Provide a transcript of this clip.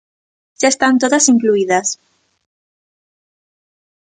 Xa están todas incluídas.